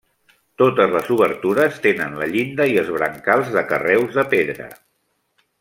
Totes les obertures tenen la llinda i els brancals de carreus de pedra.